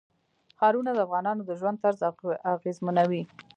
ښارونه د افغانانو د ژوند طرز اغېزمنوي.